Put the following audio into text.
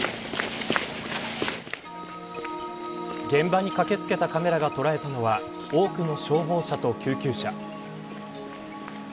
現場に駆け付けたカメラが捉えたのは多くの消防車と救急車。